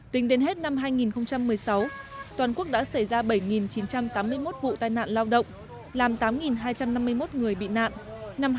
tính đến hết năm hai nghìn một mươi sáu toàn quốc đã xảy ra bảy chín trăm tám mươi một vụ tai nạn lao động làm tám hai trăm năm mươi một người bị nạn